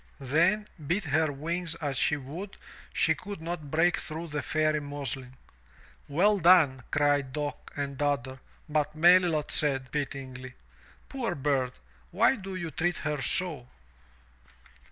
Then, beat her wings as she would, she could not break through the Fairy muslin. "Well done," cried Dock and Dodder, but Melilot said, pityingly, "Poor bird! Why do you treat her so?"